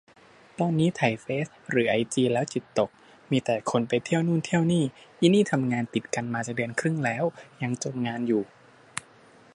ตอนนี้ไถเฟซหรือไอจีแล้วจิตตก มีแต่คนไปเที่ยวนู่นเที่ยวนี่ อินี่ทำงานติดกันมาจะเดือนครึ่งแล้วยังจมงานอยู่